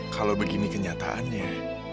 kalau begini kenyataannya